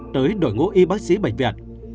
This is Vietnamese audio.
tới đội ngũ y bác sĩ bệnh viện